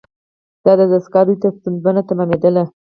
دا دستگاه دوی ته ستونزمنه تمامیدله.